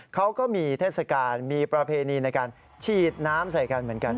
เขาก็มีเทศกาลมีประเพณีในการฉีดน้ำใส่กันเหมือนกัน